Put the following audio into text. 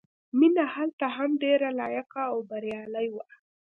مینه هلته هم ډېره لایقه او بریالۍ وه